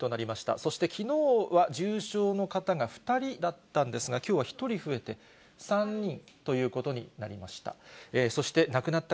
そして、きのうは重症の方が２人だったんですが、きょうは１人増えて３人ということになりました。